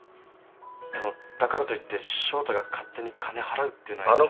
でもだからといって翔太が勝手に金払うっていうのは。